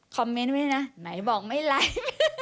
คอมเมนต์ไม่ได้นะไหนบอกไม่ไลฟ์